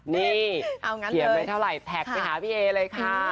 นี่เขียนไว้เท่าไหร่แท็กไปหาพี่เอเลยค่ะ